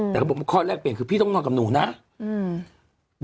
แต่เขาบอกว่าข้อแรกเปลี่ยนคือพี่ต้องนอนกับหนูนะอืม